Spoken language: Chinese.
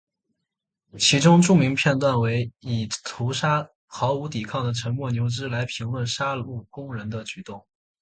其中著名片段为以屠杀毫无抵抗的沉默牛只来评论杀戮工人的举动。